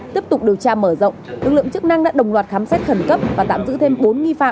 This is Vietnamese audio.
tiếp tục điều tra mở rộng lực lượng chức năng đã đồng loạt khám xét khẩn cấp và tạm giữ thêm bốn nghi phạm